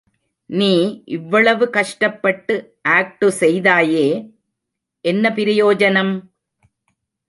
நீ இவ்வளவு கஷ்டப்பட்டு ஆக்டு செய்தாயே, என்ன பிரயோஜனம்?